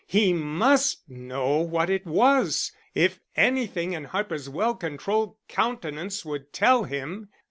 He must know what it was, if anything in Harper's well controlled countenance would tell him.